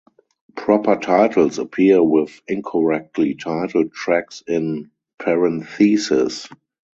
Proper titles appear with incorrectly titled tracks in parenthesis.